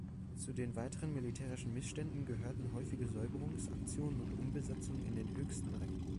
Zu den weiteren militärischen Missständen gehörten häufige Säuberungsaktionen und Umbesetzungen in den höchsten Rängen.